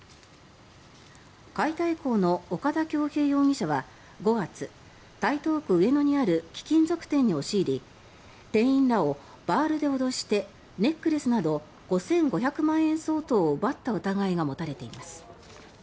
解体工の岡田響平容疑者は５月台東区上野にある貴金属店に押し入り店員らをバールで脅してネックレスなど５５００万円相当を奪った疑いが持たれています。